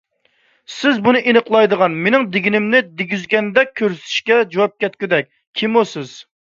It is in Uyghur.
سىز بۇنى ئېنىقلايدىغان، مېنىڭ دېمىگىنىمنى دېگۈزگەندەك كۆرسىتىشكە جۇۋاپ كەتكۈدەك كىمۇ سىز؟